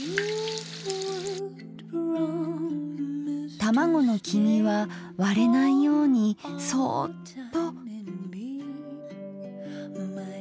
卵の黄身は割れないようにそっと。